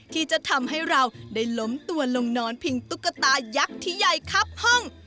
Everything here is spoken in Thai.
ที่จะทำให้เราได้ล้มตัวลงนอนพิงตุ๊กตายักษ์ที่ใหญ่ครับห้อง